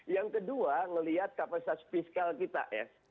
yang kedua melihat kapasitas fiskal kita ya